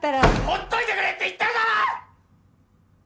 ほっといてくれって言ってるだろっ！！